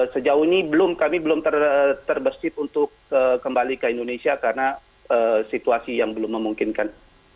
sejauh ini belum kami belum terbesit untuk kembali ke indonesia karena situasi yang belum memungkinkan